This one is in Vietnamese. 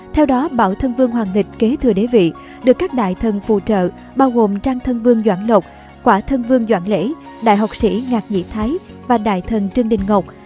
theo đó bảo thân vương hoàng lịch kế thừa đế vị được các đại thân phụ trợ bao gồm trang thân vương doãn lộc quả thân vương doãn lễ đại học sĩ ngạc nhị thái và đại thân trương đình ngọc